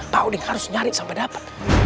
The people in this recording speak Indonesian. pak odeng harus nyari sampai dapet